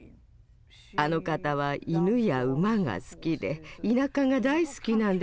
あの方は犬や馬が好きで田舎が大好きなんです。